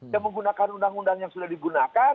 yang menggunakan undang undang yang sudah digunakan